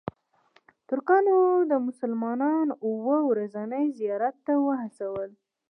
ترکانو مسلمانان اوو ورځني زیارت ته وهڅول.